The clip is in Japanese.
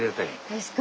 確かに。